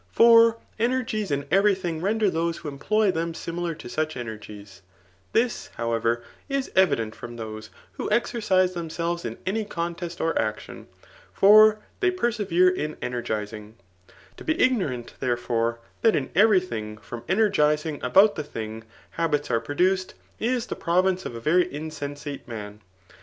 For emii gies in every thing fend^ those idio employ them 8im3i# tb «uch energies* * Tbi% however, is evident from those who exercise themselves in any contest or action ; ftr they persevere in energizing^ To be ignorant, theret fore, that in every thing, from energizing aboot that thing, habits are produced, is the province of a very in sensate man.